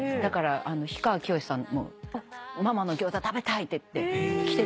氷川きよしさんも「ママのギョーザ食べたい」って言って来てくれたりとか。